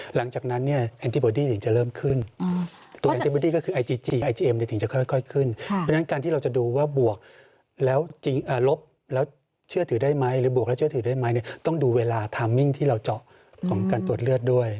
หรือบวกและเชื่อถือได้ไหมต้องดูเวลาทามมิ้งที่เราเจาะของการตรวจเลือดด้วย